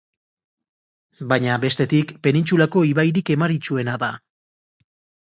Baina, bestetik, penintsulako ibairik emaritsuena da.